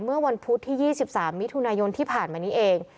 เมื่อวันพุธที่๒๓มิถุนายนที่ผ่านมานี้เอง